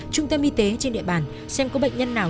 trung tâm y tế trên địa bàn xem có bệnh nhân nào